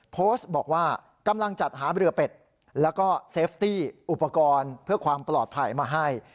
โพสต์บอกว่ากำลังจัดหาเรือเป็ดแล้วก็เซฟตี้อุปกรณ์เพื่อความปลอดภัยมาให้